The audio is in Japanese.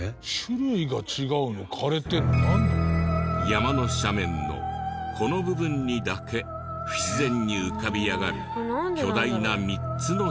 山の斜面のこの部分にだけ不自然に浮かび上がる巨大な３つの四角。